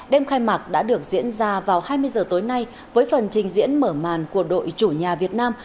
đêm khai mạc đã được diễn ra vào hai mươi h tối nay với phần trình diễn mở màn của đội chủ nhà việt nam